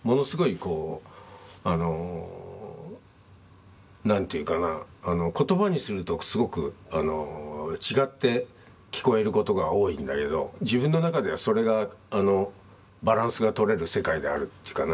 こうあの何ていうかなああの言葉にするとすごくあの違って聞こえることが多いんだけど自分の中ではそれがあのバランスが取れる世界であるっていうかな。